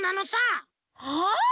はあ？